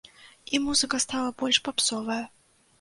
І музыка стала больш папсовая.